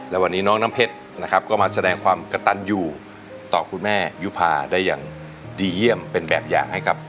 และวันนี้น้องน้ำเพชรนะครับก็มาแสดงความกระตันอยู่ต่อคุณแม่ยุภาได้อย่างดีเยี่ยมเป็นแบบอย่างให้กับ